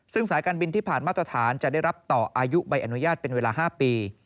ซึ่งสายการบินที่ผ่านมาตรฐานจะได้รับต่ออายุใบอนุญาตเป็นเวลา๕ปี